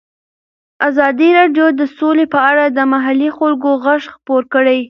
ازادي راډیو د سوله په اړه د محلي خلکو غږ خپور کړی.